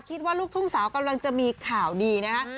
ลูกทุ่งสาวกำลังจะมีข่าวดีนะฮะ